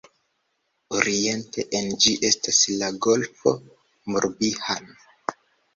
Oriente en ĝi estas la Golfo Morbihan.